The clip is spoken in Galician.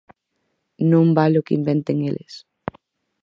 Non vale o Que inventen eles!